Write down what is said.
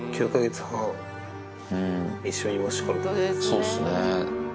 そうっすね。